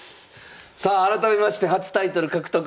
さあ改めまして初タイトル獲得